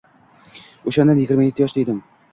O’shanda yigirma yetti yoshda edim.